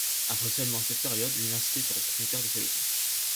Après seulement cette période, l'université sera propriétaire de ses locaux.